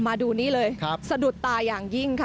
มาดูคันเล้งสะดุดตายังยิ่งค่ะ